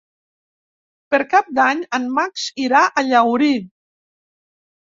Per Cap d'Any en Max irà a Llaurí.